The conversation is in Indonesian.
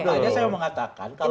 makanya saya mau mengatakan